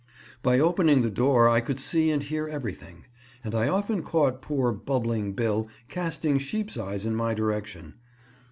By opening the door I could see and hear everything, and I often caught poor "Bubbling Bill" casting sheep's eyes in my direction.